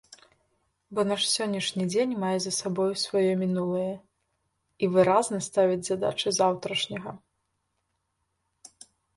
Бо наш сённяшні дзень мае за сабою сваё мінулае і выразна ставіць задачы заўтрашняга.